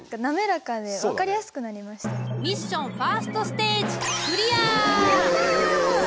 ミッションファーストステージイエイ！